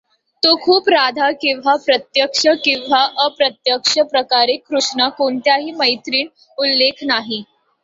तो खूप राधा किंवा प्रत्यक्ष किंवा अप्रत्यक्ष प्रकारे कृष्णा कोणत्याही मैत्रीण उल्लेख नाही.